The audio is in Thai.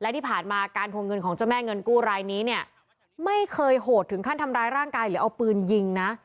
และที่ผ่านมาการทวงเงินของเจ้าแม่เงินกู้รายนี้เนี่ยไม่เคยโหดถึงขั้นทำร้ายร่างกายหรือเอาปืนยิงนะ